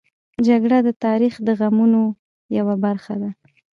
جګړه د تاریخ د غمونو یوه برخه ده